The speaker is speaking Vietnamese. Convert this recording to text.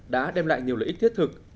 đã đem lại nhiều lợi ích thiết thực